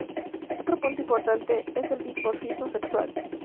Otro punto importante es el dimorfismo sexual.